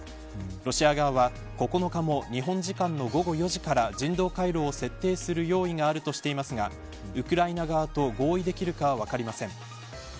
ロシア側は９日も、日本時間の午後４時から人道回廊を設定する用意があるとしていますがウクライナ側と合意できるかは分かりません。